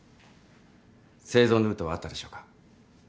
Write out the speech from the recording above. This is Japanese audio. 生存ルートはあったでしょうか？